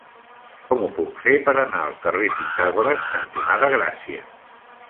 Com ho puc fer per anar al carrer Pitàgores cantonada Gràcia?